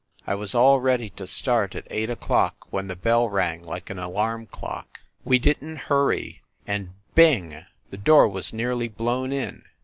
I was all ready to start at eight o clock when the bell rang like an alarm clock. We didn t hurry, and bing, the door was nearly blown in.